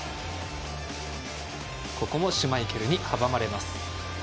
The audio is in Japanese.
ここもシュマイケルに阻まれます。